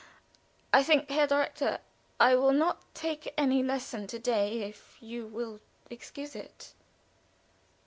I think, Herr Direktor, I will not take any lesson to day, if you will excuse it."